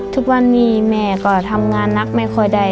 ทุกวันนี้แม่ก็ทำงานนักไม่ค่อยได้